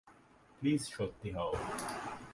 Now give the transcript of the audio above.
Please সত্যি হও।